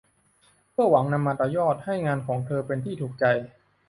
เพื่อหวังนำมาต่อยอดให้งานของเธอเป็นที่ถูกใจ